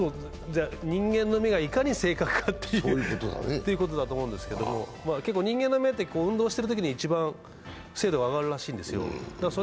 人間の目がいかに正確かということだと思うんですけど人間の目って、運動しているときに一番精度が上がるらしいんですよ。